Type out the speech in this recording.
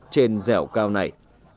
trên rẻo cao này